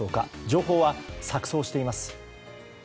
情報は錯そうしています。